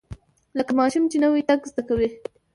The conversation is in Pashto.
لکه ماشوم چې نوى تګ زده کوي.